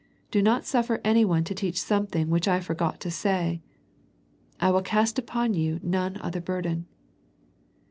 Do not suffer anyone to teach something which I forgot to say !" I will cast upon you none other bur den.''